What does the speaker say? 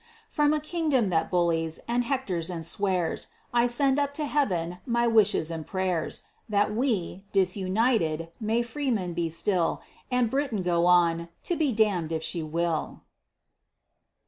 From a kingdom that bullies, and hectors, and swears, I send up to Heaven my wishes and prayers That we, disunited, may freemen be still, And Britain go on to be damn'd if she will.